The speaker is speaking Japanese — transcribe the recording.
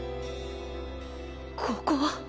ここは！？